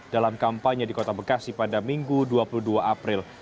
dalam kampanye di kota bekasi pada minggu dua puluh dua april